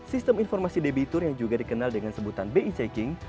sistem informasi debitur yang juga dikenal dengan sebutan bi checking